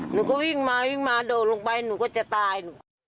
หนูก็วิ่งมาวิ่งมาโดดลงไปหนูก็จะตาย